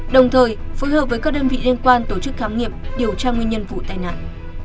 đồng thời phối hợp với các đơn vị liên quan tổ chức khám nghiệm điều tra nguyên nhân vụ tai nạn